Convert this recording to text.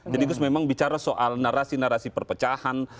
jadi terus memang bicara soal narasi narasi perpecahan